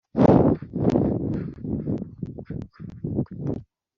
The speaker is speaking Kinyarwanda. umujyanama mu byerekeye amategeko abagira inama yo kubanza mu bunzi